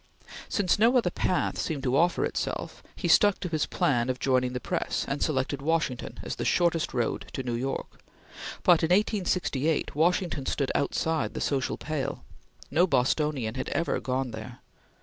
Since no other path seemed to offer itself, he stuck to his plan of joining the press, and selected Washington as the shortest road to New York, but, in 1868, Washington stood outside the social pale. No Bostonian had ever gone there.